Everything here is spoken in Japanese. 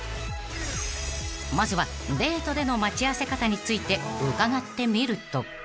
［まずはデートでの待ち合わせ方について伺ってみると］